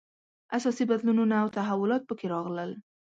اساسي بدلونونه او تحولات په کې راغلل.